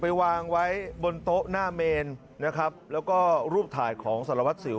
ไปวางไว้บนโต๊ะหน้าเมนนะครับแล้วก็รูปถ่ายของสารวัตรสิว